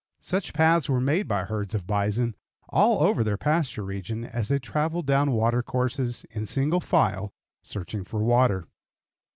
Such paths were made by herds of bison all over their pasture region as they traveled down water courses, in single file, searching for water.